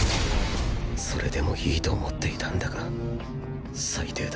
それでもいいと思っていたんだが。